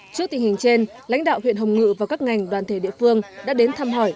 trước tình hình trên lãnh đạo huyện hồng ngự và các ngành đoàn thể địa phương đã đến thăm hỏi